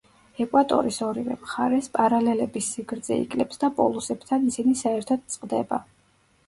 ეკვატორის ორივე მხარეს, პარალელების სიგრძე იკლებს და პოლუსებთან ისინი საერთოდ წყდება.